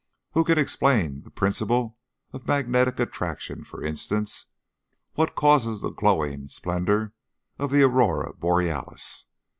Who can explain the principle of magnetic attraction, for instance? What causes the glowing splendor of the Aurora Borealis?